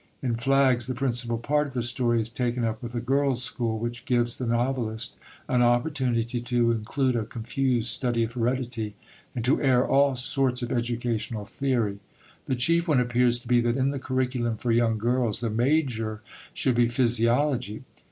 In Flags the principal part of the story is taken up with a girls' school, which gives the novelist an opportunity to include a confused study of heredity, and to air all sorts of educational theory. The chief one appears to be that in the curriculum for young girls the "major" should be physiology.